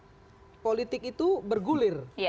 jadi politik itu bergulir